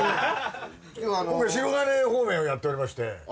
今回白金方面をやっておりまして。